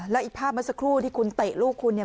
แล้วอีกภาพเมื่อสักครู่ที่คุณเตะลูกคุณเนี่ย